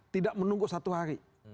tidak menunggu satu hari